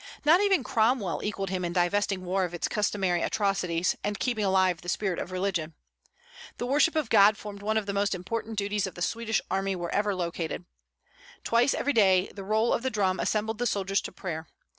Not even Cromwell equalled him in divesting war of its customary atrocities, and keeping alive the spirit of religion. The worship of God formed one of the most important duties of the Swedish army wherever located. "Twice every day the roll of the drum assembled the soldiers to prayer.